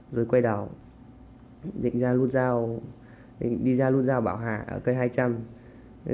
rồi quay đảo định ra lút giao đi ra lút giao bảo hạ ở cây hai trăm linh